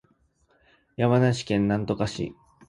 山梨県韮崎市